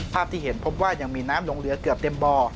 ภาพที่เห็นพบว่ายังมีน้ำลงเหลือเกือบเต็มบ่อ